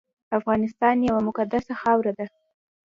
افغانستان یوه مقدسه خاوره ده